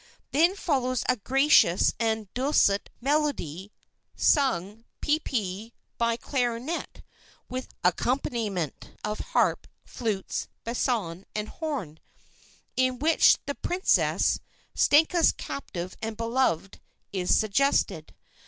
Then follows a gracious and dulcet melody (sung, pp, by clarinet, with accompaniment of harp, flutes, bassoon, and horn), in which the princess, Stenka's captive and beloved, is suggested.